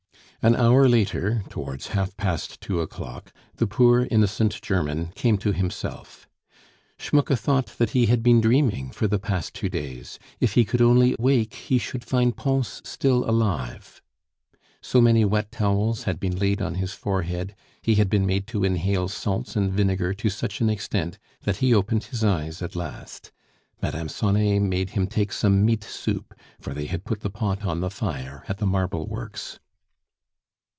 An hour later, towards half past two o'clock, the poor, innocent German came to himself. Schmucke thought that he had been dreaming for the past two days; if he could only wake, he should find Pons still alive. So many wet towels had been laid on his forehead, he had been made to inhale salts and vinegar to such an extent, that he opened his eyes at last. Mme. Sonet make him take some meat soup, for they had put the pot on the fire at the marble works.